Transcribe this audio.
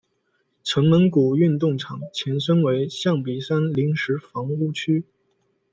城门谷运动场前身为象鼻山临时房屋区。